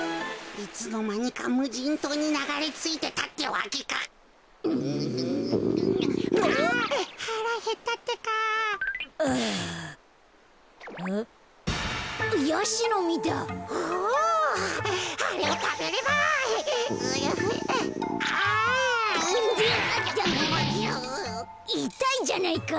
いたいじゃないか！